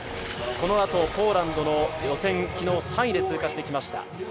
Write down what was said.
このあとポーランドの予選、昨日、３位で通過してきました